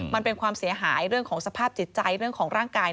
มันเป็นความเสียหายเรื่องของสภาพจิตใจเรื่องของร่างกาย